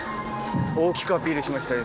大きくアピールしましたよ